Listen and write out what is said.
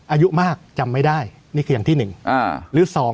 อายุมากจำไม่ได้นี่ใส่อย่างที่หนึ่งหรือสอง